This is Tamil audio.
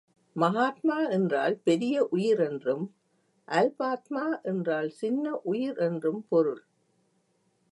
மகாத்மா என்றால் பெரிய உயிர் என்றும் அல்பாத்மா என்றால் சின்ன உயிர் என்றும் பொருள்.